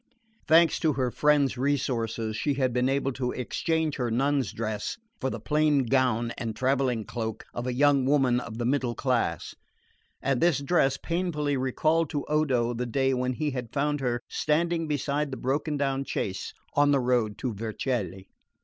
Thanks to her friend's resources she had been able to exchange her nun's dress for the plain gown and travelling cloak of a young woman of the middle class; and this dress painfully recalled to Odo the day when he had found her standing beside the broken down chaise on the road to Vercelli.